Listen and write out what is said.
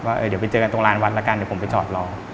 ว่าเดี๋ยวไปเจอกันตรงลานวัดละกันเดี๋ยวผมไปจอดรอ